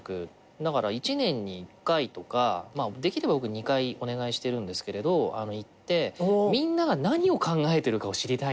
だから１年に１回とかできれば僕２回お願いしてるんですけれど行ってみんなが何を考えてるかを知りたい。